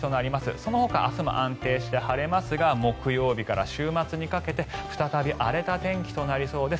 そのほか明日も安定して晴れますが木曜日から週末にかけて再び荒れた天気となりそうです。